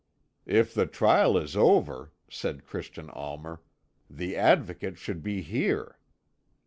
"If the trial is over," said Christian Almer, "the Advocate should be here."